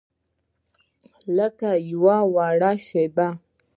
لکه یوه وړه شیبه